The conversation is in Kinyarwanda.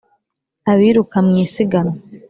Abiruka mu isiganwa